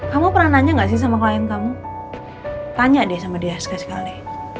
kamu pernah nanya nggak sih sama klien kamu tanya deh sama dia sekali